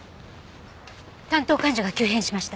担当患者が急変しました。